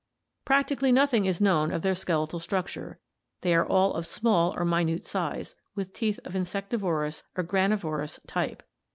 Practically nothing is known of their skeletal structure; they are all of small or minute size, with teeth of insectivorous or granivorous type.